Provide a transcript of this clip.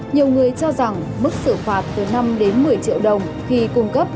nhiều người cho rằng mức xử phạt từ năm đến một mươi triệu đồng khi cung cấp